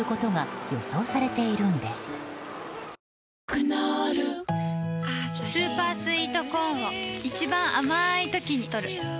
クノールスーパースイートコーンを一番あまいときにとる